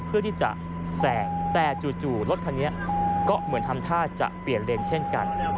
เพื่อที่จะแซงแต่จู่รถคันนี้ก็เหมือนทำท่าจะเปลี่ยนเลนเช่นกัน